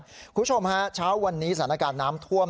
คุณผู้ชมฮะเช้าวันนี้สถานการณ์น้ำท่วม